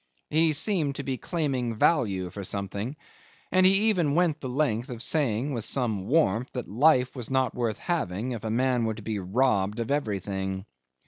He seemed to be claiming value for something, and he even went the length of saying with some warmth that life was not worth having if a man were to be robbed of everything.